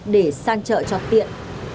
để sang chợ cho tiện